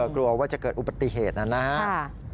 กลัวว่าจะเกิดอุบัติเหตุนะครับ